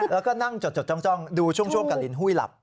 แล้วก็นั่งจดจ้องดูช่วงกะลินหุ้ยหลับ